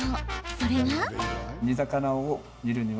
それが。